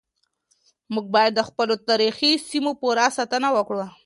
موږ بايد د خپلو تاريخي سيمو پوره ساتنه وکړو.